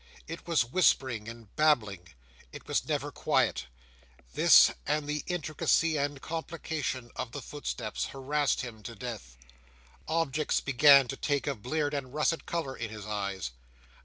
It was whispering and babbling. It was never quiet. This, and the intricacy and complication of the footsteps, harassed him to death. Objects began to take a bleared and russet colour in his eyes.